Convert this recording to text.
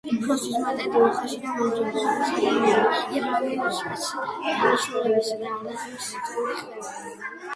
უფროსი ძმა, ტედი, უხეში და მებრძოლი სულის ადამიანი ირლანდიური სპეცდანიშნულების რაზმის წევრი ხდება.